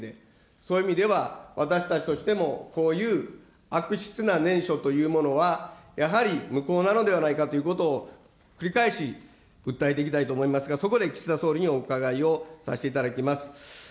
そういう意味では、私たちとしてもこういう悪質な念書というものは、やはり無効なのではないかということを、繰り返し訴えていきたいと思いますが、そこで岸田総理にお伺いをさせていただきます。